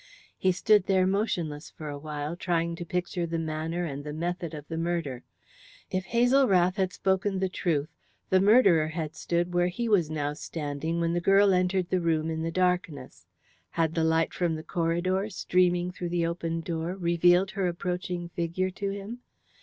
He stood there motionless for a while, trying to picture the manner and the method of the murder. If Hazel Rath had spoken the truth, the murderer had stood where he was now standing when the girl entered the room in the darkness. Had the light from the corridor, streaming through the open door, revealed her approaching figure to him?